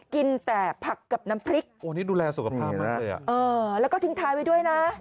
กินแต่ผักกับน้ำพริกโอ้นี่ดูแลสุขภาพมากเลยอ่ะเออแล้วก็ทิ้งท้ายไว้ด้วยนะ